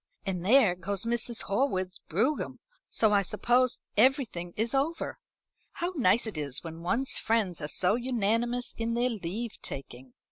And there goes Mrs. Horwood's brougham; so I suppose everything is over. How nice it is when one's friends are so unanimous in their leave taking."